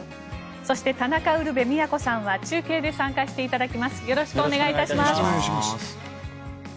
そして、田中ウルヴェ京さんは中継で参加していただきます。